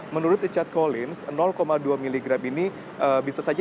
menurut richard collins dua miligram ini bisa saja dikatakan